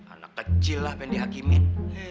anak kecil lah pengen dihakimin